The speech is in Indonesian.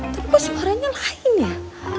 tapi suaranya lain ya